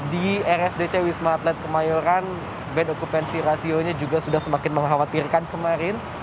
di rsdc wisma atlet kemayoran bad okupansi rasionya juga sudah semakin mengkhawatirkan kemarin